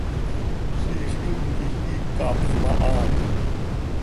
Ziix himquij hiic hapx mahaatim.